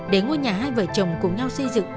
để ngôi nhà hai vợ chồng cùng nhau xây dựng